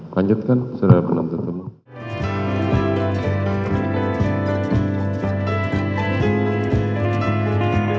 lanjutkan sudah penuh teman